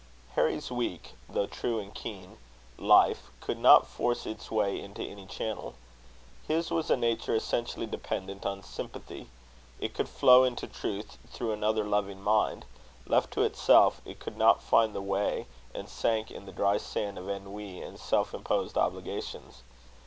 Harry's weak (though true and keen) life could not force its way into any channel. His was a nature essentially dependent on sympathy. It could flow into truth through another loving mind: left to itself, it could not find the way, and sank in the dry sand of ennui and self imposed obligations.